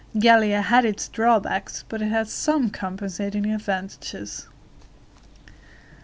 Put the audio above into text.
Gallia had its drawbacks, but it had some compensating advantages.